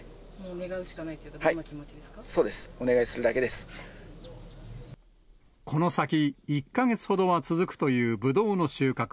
願うしかないという気持ちでそうです、お願いするだけでこの先、１か月ほどは続くというブドウの収穫。